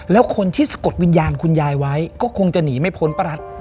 แล้วคนที่สะกดวิญญาณคุณยายไว้ก็คงจะหนีไม่พ้นป้ารัส